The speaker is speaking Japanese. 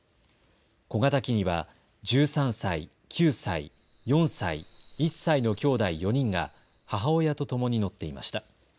小型機には１３歳、９歳、４歳、１歳のきょうだい４人が母親とともに乗っていました。